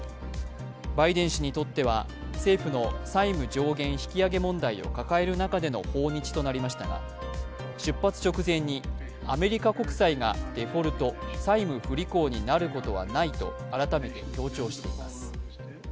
バイデン氏にとっては政府の債務上限引き上げ問題を抱える中での訪日となりましたが、出発直前に、アメリカ国際がデフォルト＝債務不履行になることはないと改めて強調しています。